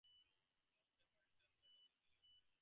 He also appeared in Tests against New Zealand and Australia.